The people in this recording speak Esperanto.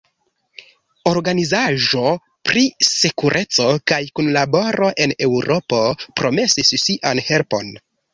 Organizaĵo pri Sekureco kaj Kunlaboro en Eŭropo promesis sian helpon.